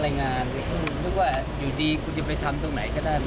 แล้วพี่เด็กมาอ้างผมว่ามีคนไปรวนรามเข้าอะไรต่อไหร่